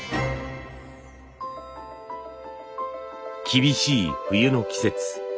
厳しい冬の季節